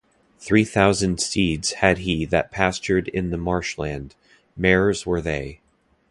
Three thousand steeds had he that pastured in the marsh-land; mares were they.